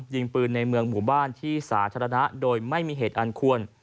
ยิงปืนในเมืองหมู่บ้านที่สาธารณะโดยไม่มีเหตุอันควร